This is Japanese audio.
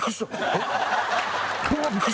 えっ？